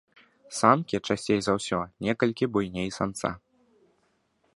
Самкі часцей за ўсё некалькі буйней самца.